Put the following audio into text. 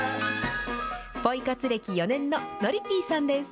ポイ活歴４年ののりぴーさんです。